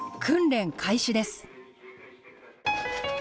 訓練開始です。